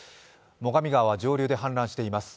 最上川上流で氾濫しています。